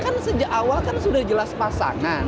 kan sejak awal kan sudah jelas pasangan